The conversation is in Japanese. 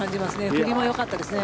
振りもよかったですね。